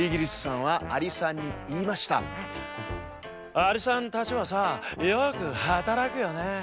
「アリさんたちはさよくはたらくよね」。